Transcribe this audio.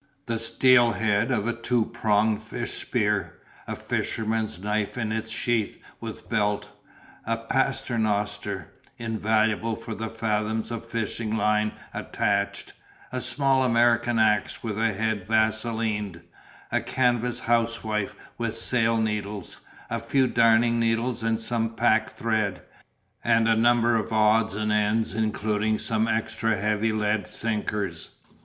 The steel head of a two pronged fish spear, a fisherman's knife in its sheath with belt, a paternoster, invaluable for the fathoms of fishing line attached, a small American axe with the head vaselined, a canvas housewife with sail needles, a few darning needles and some pack thread, and a number of odds and ends including some extra heavy lead sinkers.